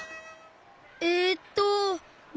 えっとね